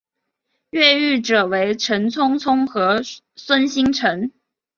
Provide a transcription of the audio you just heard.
越狱者为陈聪聪和孙星辰。